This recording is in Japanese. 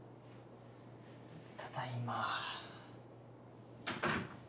ただいま。